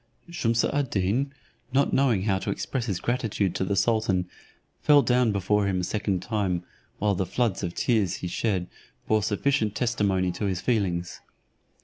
Shumse ad Deen, not knowing how to express his gratitude to the sultan, fell down before him a second time, while the floods of tears he shed bore sufficient testimony to his feelings.